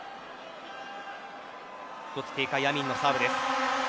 １つ警戒、アミンのサーブです。